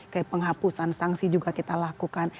kayak penghapusan sanksi juga kita lakukan